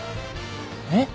えっ？